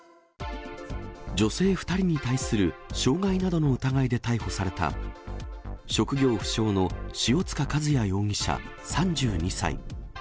女性２人に対する傷害などの疑いで逮捕された、職業不詳の塩塚和也容疑者３２歳。